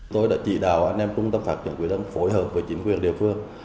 tôi đã chỉ đạo anh em trung tâm phát triển quỹ đất phối hợp với chính quyền địa phương